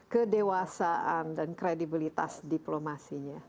kedewasaan dan kredibilitas diplomasinya